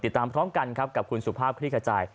ติดตามพร้อมกันครับกับคุณสุภาพคลิกขจาย